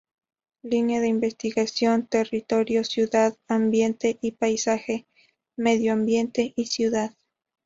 Línea de Investigación: Territorio-Ciudad-Ambiente y Paisaje-Medio Ambiente y Ciudad.